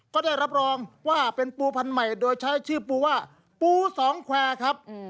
ก็ได้รับรองว่าเป็นปูพันธุ์ใหม่โดยใช้ชื่อปูว่าปูสองแควร์ครับ